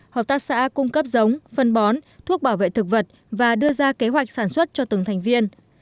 hợp tác xã cung cấp giống phân bón thuốc bảo vệ thực vật và đưa ra kế hoạch sản xuất cho từng thành viên